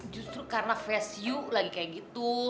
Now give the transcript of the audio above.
justru karena face ayu lagi kayak gitu